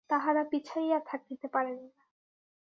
তাঁহারা পিছাইয়া থাকিতে পারেন না।